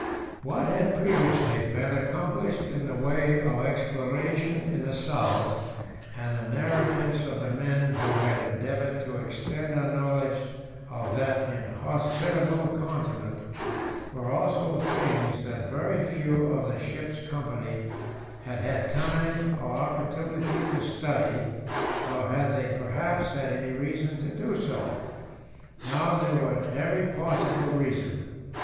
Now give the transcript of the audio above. What had previously been accomplished in the way of exploration in the South, and the narratives of the men who had endeavoured to extend our knowledge of that inhospitable continent, were also things that very few of the ship's company had had time or opportunity to study, nor had they perhaps had any reason to do so. Now there was every possible reason.